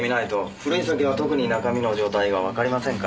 古い酒は特に中身の状態がわかりませんから。